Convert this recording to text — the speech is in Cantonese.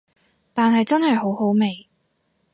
但係真係好好味